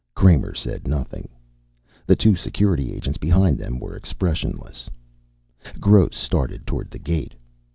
Kramer said nothing. The two Security Agents behind them were expressionless. Gross started toward the gate.